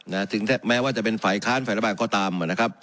น่ะถึงแทบแม้ว่าจะเป็นฝ่ายค้านฝ่ายระบาลก็ตามอ่ะนะครับ